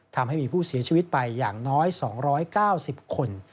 ทำให้มีผู้เสียชีวิตไปอย่างน้อย๒๙๐คน